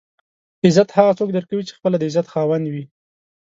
عزت هغه څوک درکوي چې خپله د عزت خاوند وي.